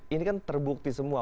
ini kan terbukti semua